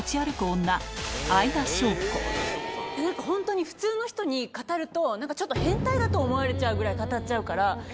本当に普通の人に語るとなんかちょっと変態だと思われちゃうぐらい語っちゃうから。